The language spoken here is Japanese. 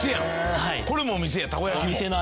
これもお店やんたこ焼きの。